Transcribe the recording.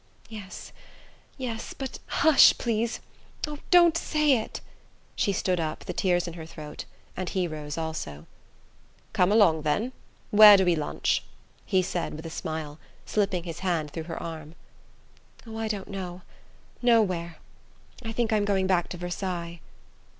"Yes... yes... but hush, please! Oh, don't say it!" She stood up, the tears in her throat, and he rose also. "Come along, then; where do we lunch?" he said with a smile, slipping his hand through her arm. "Oh, I don't know. Nowhere. I think I'm going back to Versailles."